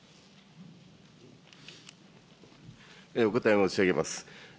お答え申し上げます。